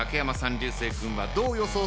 流星君はどう予想するか？